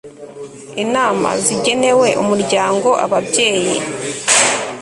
inama zigenewe umuryango ababyeyi